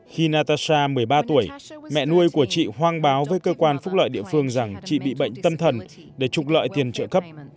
khi natasa một mươi ba tuổi mẹ nuôi của chị hoang báo với cơ quan phúc lợi địa phương rằng chị bị bệnh tâm thần để trục lợi tiền trợ cấp